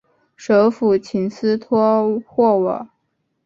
首府琴斯托霍瓦。